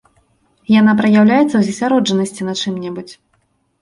Яна праяўляецца ў засяроджанасці на чым-небудзь.